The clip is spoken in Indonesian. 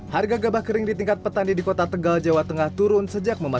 harga gabah kering di tingkat petani di kota tegal jawa tengah turun sejak memasuki